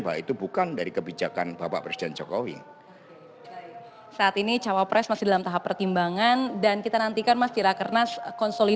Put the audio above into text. bahwa itu bukan dari kebijakan bapak presiden jokowi